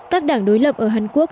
các đảng đối lập ở hàn quốc